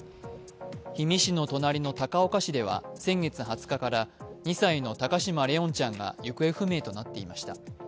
氷見市の隣の高岡市では先月２０日から２歳の高嶋怜音ちゃんが行方不明となっていました。